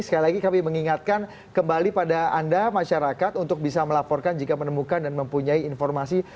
sekali lagi kami mengingatkan kembali pada anda masyarakat untuk bisa melaporkan jika menemukan dan mempunyai informasi